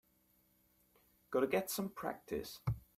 Got to get some practice.